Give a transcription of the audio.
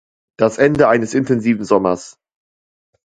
Das Ende eines intensiven Sommers.